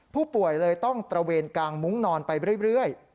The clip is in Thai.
ผู้ป่วยเลยต้องตระเวนกางมุ้งนอนไปเรื่อย